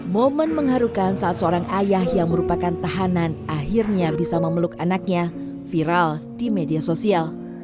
momen mengharukan saat seorang ayah yang merupakan tahanan akhirnya bisa memeluk anaknya viral di media sosial